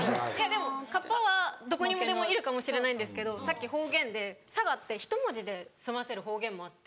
でもカッパはどこにでもいるかもしれないんですけどさっき方言で佐賀って１文字で済ませる方言もあって。